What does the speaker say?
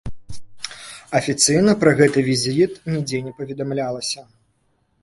Афіцыйна пра гэты візіт нідзе не паведамлялася.